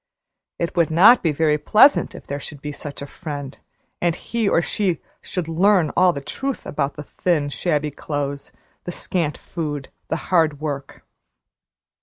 It would not be very pleasant if there should be such a friend, and he or she should learn all the truth about the thin, shabby clothes, the scant food, the hard work.